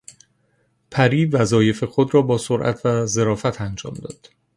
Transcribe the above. پری وظایف خود را با سرعت و ظرافت انجام داد.